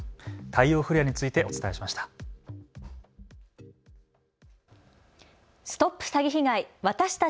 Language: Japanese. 太陽フレアについてお伝えしました。